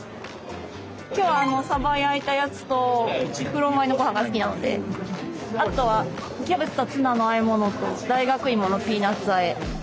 今日はさば焼いたやつと黒米のごはんが好きなのであとはキャベツとツナのあえ物と大学いものピーナッツあえ。